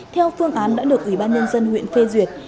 theo phương án đã được ủy ban nhân dân huyện phê duyệt